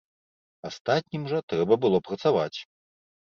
Астатнім жа трэба было працаваць.